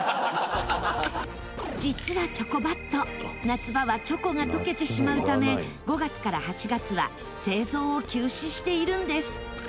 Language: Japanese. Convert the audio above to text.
実は、チョコバット夏場はチョコが溶けてしまうため５月から８月は製造を休止しているんです